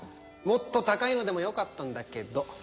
もっと高いのでもよかったんだけど。